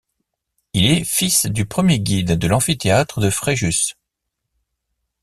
Il est fils du premier guide de l'Amphithéâtre de Fréjus.